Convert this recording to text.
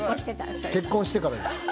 それは。結婚してからです。